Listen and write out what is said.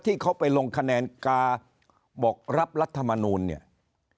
ถ้าเขาคาดหวังกับเรื่องนี้จริง